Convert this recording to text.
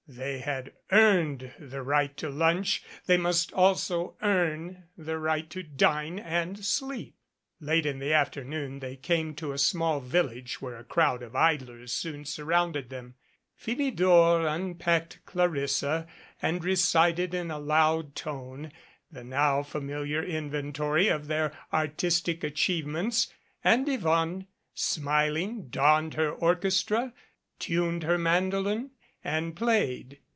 They had earned the right to lunch. They must also earn the right to dine and sleep ! Late in the afternoon they came to a small village where a crowd of idlers soon surrounded them. Philidor unpacked Clarissa and recited in a loud tone the now familiar inventory of their artistic achievements and Yvonne, smiling, donned her orchestra, tuned her mando lin and played.